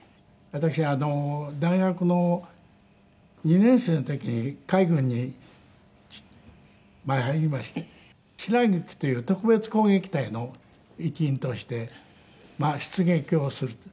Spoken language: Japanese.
私大学の２年生の時海軍に入りまして白菊という特別攻撃隊の一員として出撃をするという。